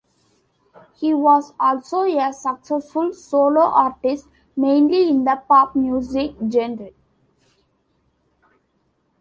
He was also a successful solo artist, mainly in the pop music genre.